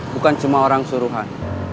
bukan cuma orang suruhan